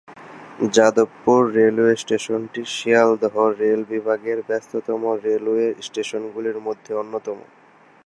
Jadavpur railway স্টেশনটি Sealdah rail বিভাগের ব্যস্ততম রেলওয়ে স্টেশনগুলির মধ্যে অন্যতম।